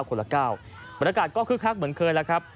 บรรยากาศก็คึกคักเหมือนเคยแล้วครับ